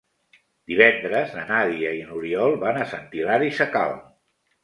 Divendres na Nàdia i n'Oriol van a Sant Hilari Sacalm.